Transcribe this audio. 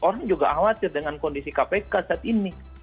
orang juga khawatir dengan kondisi kpk saat ini